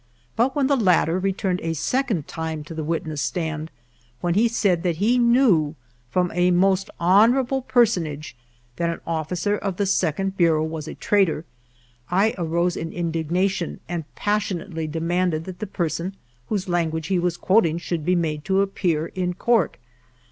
But when the latter re turned a second time to the witness stand, when he said that he knew from a most honorable personage that an officer of the Second Bureau ^ was a traitor, I arose in indignation and pas sionately demanded that the person whose lan guage he was quoting should be made to appear in Court.